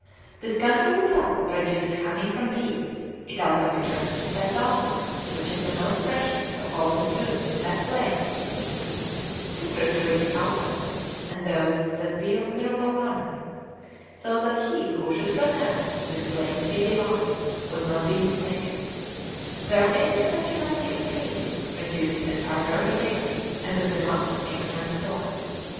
This country withal produces honey from bees; it also bears that balsam which is the most precious of all the fruits in that place, cypress trees also, and those that bear myrobalanum; so that he who should pronounce this place to be divine would not be mistaken, wherein is such plenty of trees produced as are very rare, and of the must excellent sort.